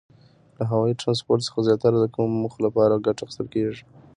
له هوایي ترانسپورت څخه زیاتره د کومو موخو لپاره ګټه اخیستل کیږي؟